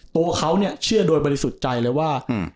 ตัวเขาเนี่ยเชื่อโดยบริสุทธิ์ใจเลยว่า